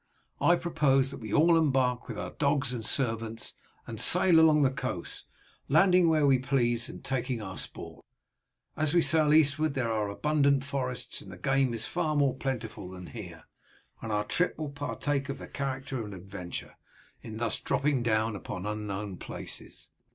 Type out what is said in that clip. I propose that we all embark with our dogs and servants, and sail along the coast, landing where we please and taking our sport. As we sail eastward there are abundant forests, and the game is far more plentiful than here, and our trip will partake of the character of an adventure in thus dropping upon unknown places.